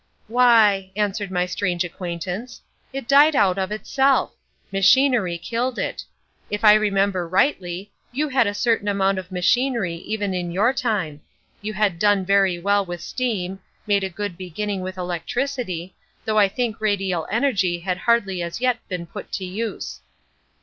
"Why," answered my strange acquaintance, "it died out of itself. Machinery killed it. If I remember rightly, you had a certain amount of machinery even in your time. You had done very well with steam, made a good beginning with electricity, though I think radial energy had hardly as yet been put to use."